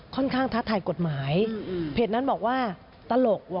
ค่อนข้างทัดถ่ายกฎหมายเพจนั้นบอกว่าตลก